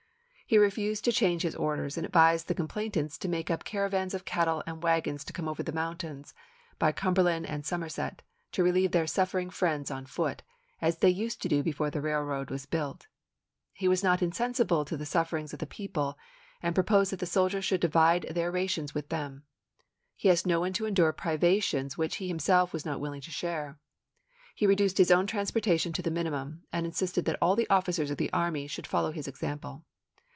He refused to change his orders, and advised the complainants to make up caravans of cattle and wagons and come over the mountains, by Cumberland and Somerset, to relieve their suffering friends on foot, as they used to do before the railroad was built. He was not insensible to the sufferings of the people, and pro posed that the soldiers should divide their rations slS?m*0 with them. He asked no one to endure privations ml., p. 49.' 4 ABRAHAM LINCOLN chap. i. which he was himself not willing to share. He re duced his own transportation to the minimum, and insisted that all the officers of the army should follow his example.